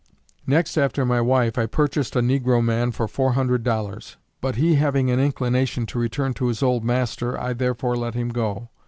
Next after my wife, I purchased a negro man for four hundred dollars. But he having an inclination to return to his old master, I therefore let him go.